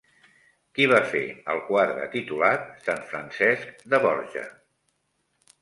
Qui va fer el quadre titulat Sant Francesc de Borja?